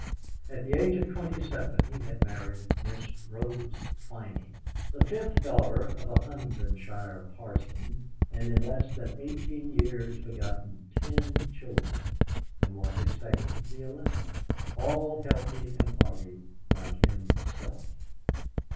At the age of twenty seven he had married Miss Rose Twining, the fifth daughter of a Huntingdonshire parson, and in less than eighteen years begotten ten children, and was expecting the eleventh, all healthy and hearty like himself.